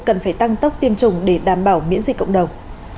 cần phải tăng tốc tiêm chủng để đảm bảo miễn dịch cộng đồng